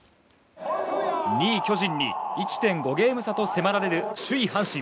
２位、巨人に１．５ゲーム差と迫られる首位、阪神。